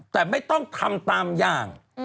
แต่ไม่ต้องทำตามอย่าง